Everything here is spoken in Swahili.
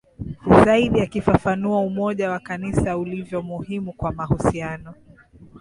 zaidi akifafanua umoja wa Kanisa ulivyo muhimu kwa mahusiano